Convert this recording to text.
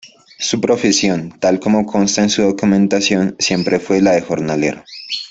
Su profesión, tal como consta en su documentación, siempre fue la de jornalero.